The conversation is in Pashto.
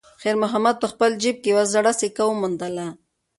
خیر محمد په خپل جېب کې یوه زړه سکه وموندله.